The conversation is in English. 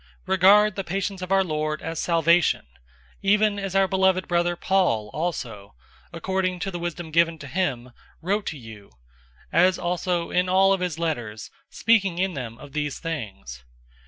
003:015 Regard the patience of our Lord as salvation; even as our beloved brother Paul also, according to the wisdom given to him, wrote to you; 003:016 as also in all of his letters, speaking in them of these things.